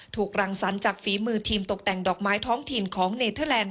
รังสรรค์จากฝีมือทีมตกแต่งดอกไม้ท้องถิ่นของเนเทอร์แลนด